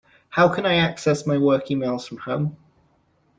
How can I access my work emails from home?